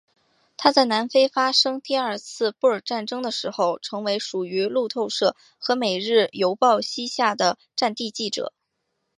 他在南非发生第二次布尔战争的时候成为属于路透社和每日邮报膝下的战地记者。